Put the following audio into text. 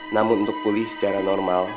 namun untuk pulih secara normal